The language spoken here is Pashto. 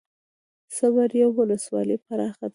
صبریو ولسوالۍ پراخه ده؟